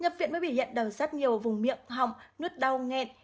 nhập viện mới bị hiện đầu sát nhiều vùng miệng họng nuốt đau nghẹt